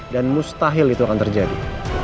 mustahil itu akan terjadi